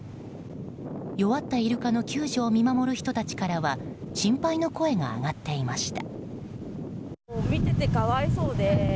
弱ったイルカの救助を見守る人たちからは心配の声が上がっていました。